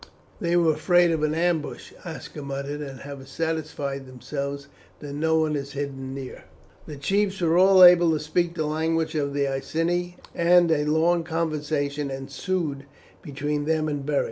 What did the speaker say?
"They were afraid of an ambush," Aska muttered, "and have satisfied themselves that no one is hidden near." The chiefs were all able to speak the language of the Iceni, and a long conversation ensued between them and Beric.